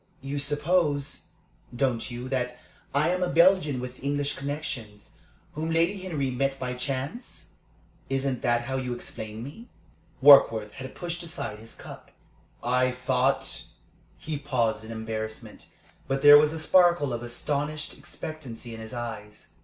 You suppose, don't you, that I am a Belgian with English connections, whom Lady Henry met by chance? Isn't that how you explain me?" Warkworth had pushed aside his cup. "I thought " He paused in embarrassment, but there was a sparkle of astonished expectancy in his eyes.